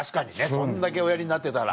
そんだけおやりになってたら。